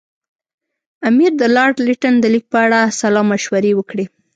امیر د لارډ لیټن د لیک په اړه سلا مشورې وکړې.